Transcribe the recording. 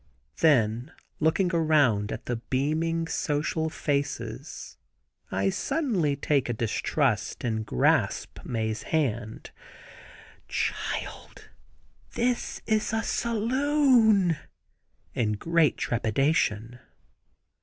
Then looking around at the beaming, social faces, I suddenly take a distrust and grasp Mae's hand: "Child, this is a saloon!" in great trepidation.